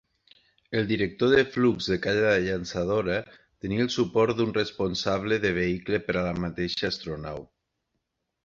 El director de flux de cada llançadora tenia el suport d'un responsable de vehicle per a la mateixa astronau.